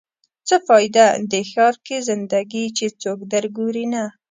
څه فایده؟ دې ښار کې زنده ګي چې څوک در ګوري نه